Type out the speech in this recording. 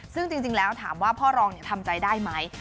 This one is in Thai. ซึ่งจริงแล้วถามว่าพ่อรองทำใจได้ไหม